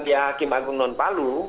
sebagai hakim agung non paluk